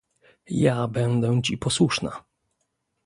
"Ja będę ci posłuszna."